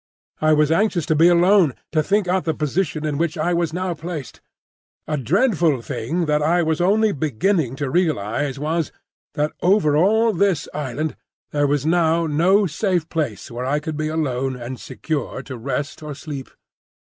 I was anxious to be alone, to think out the position in which I was now placed. A dreadful thing that I was only beginning to realise was, that over all this island there was now no safe place where I could be alone and secure to rest or sleep.